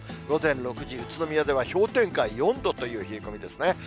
午前６時、宇都宮では、氷点下４度という冷え込みですね。